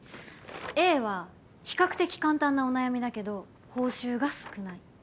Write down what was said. Ａは比較的簡単なお悩みだけど報酬が少ない。